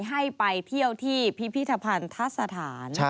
ให้ไปเที่ยวที่พิพิธภัณฑสถาน